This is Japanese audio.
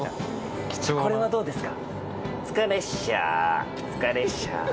これはどうですか？